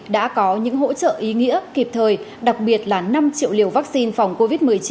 đã có những hỗ trợ ý nghĩa kịp thời đặc biệt là năm triệu liều vaccine phòng covid một mươi chín